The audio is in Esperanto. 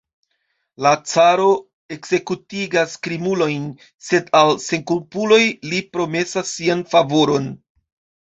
La caro ekzekutigas krimulojn, sed al senkulpuloj li promesas sian favoron.